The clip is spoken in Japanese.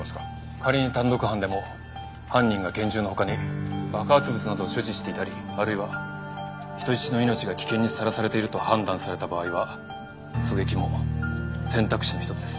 仮に単独犯でも犯人が拳銃の他に爆発物などを所持していたりあるいは人質の命が危険にさらされていると判断された場合は狙撃も選択肢の一つです。